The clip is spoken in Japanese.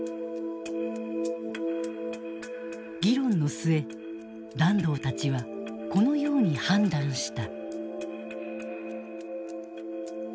議論の末團藤たちはこのように判断した。